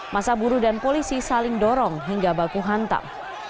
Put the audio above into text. masa buruh dan polisi saling dorong hingga baku hantam